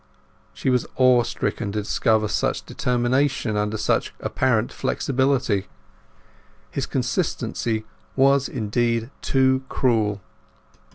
She was awe stricken to discover such determination under such apparent flexibility. His consistency was, indeed, too cruel.